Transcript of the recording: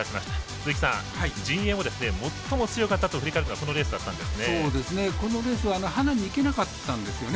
鈴木さん、陣営も最も強かったと振り返るのがこのレースなんですね。